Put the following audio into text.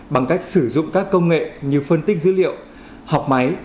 bằng cách sử dụng các công nghệ như phân tích dữ liệu học máy